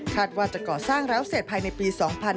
ว่าจะก่อสร้างแล้วเสร็จภายในปี๒๕๕๙